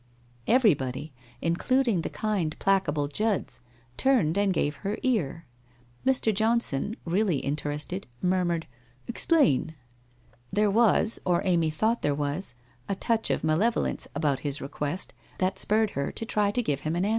Everybody, including the kind placable Judds, turned and gave her car. Mr. Johnson, really interested, mur mured 'Explain!' There was, or Amy thought there was, a touch of malevolence about his request that spurred her to try to give him an answer.